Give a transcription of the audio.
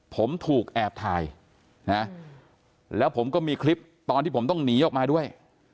ผมถูกแอบถ่ายนะแล้วผมก็มีคลิปตอนที่ผมต้องหนีออกมาด้วย